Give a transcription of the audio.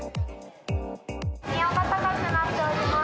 気温が高くなっております。